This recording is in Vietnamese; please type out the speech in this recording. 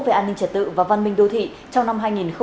về an ninh trật tự và văn minh đồ thị trong năm hai nghìn hai mươi ba